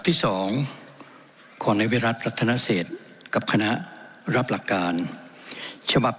ที่สองของในวิรัติรัฐนเศษกับคณะรับหลักการฉบับ